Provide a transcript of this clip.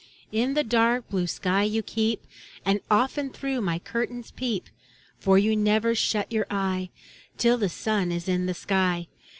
In the dark blue sky you keep, And often through my curtains peep. For you never shut your eye Till the sun is in the sky.